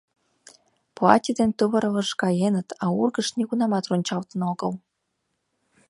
Платье ден тувыр лыжгаеныт, а ургыш нигунамат рончалтын огыл.